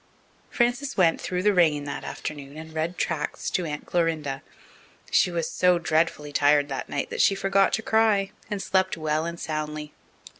Frances went through the rain that afternoon and read tracts to Aunt Clorinda. She was so dreadfully tired that night that she forgot to cry, and slept well and soundly.